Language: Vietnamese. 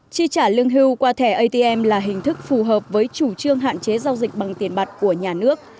chi trả lương hưu qua thẻ atm là hình thức phù hợp với chủ trương hạn chế giao dịch bằng tiền mặt của nhà nước